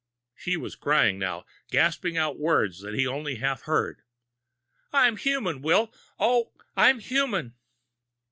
She was crying now, gasping out words that he only half heard. "I'm human, Will. Oh, I'm human!"